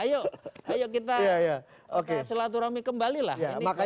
ayo kita selaturami kembali lah